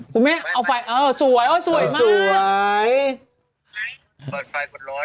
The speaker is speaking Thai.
คุณแม่เอาไฟเออสวยเออสวยมากสวย